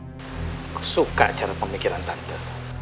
saya suka cara pemikiran tante